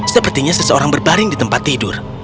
sepertinya seseorang berbaring di tempat tidur